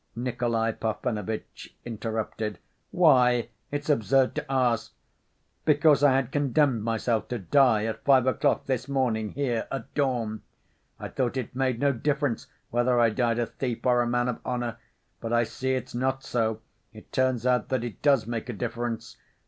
Nikolay Parfenovitch interrupted. "Why? It's absurd to ask. Because I had condemned myself to die at five o'clock this morning, here, at dawn. I thought it made no difference whether I died a thief or a man of honor. But I see it's not so, it turns out that it does make a difference.